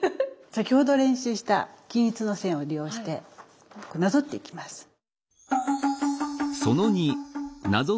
先ほど練習した均一の線を利用してなぞっていきます。